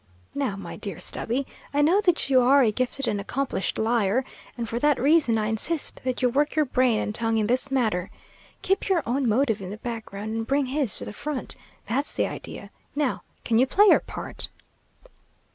Now, my dear Stubby, I know that you are a gifted and accomplished liar, and for that reason I insist that you work your brain and tongue in this matter. Keep your own motive in the background and bring his to the front. That's the idea. Now, can you play your part?"